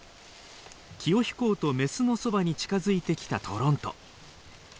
気を引こうとメスのそばに近づいてきたトロント。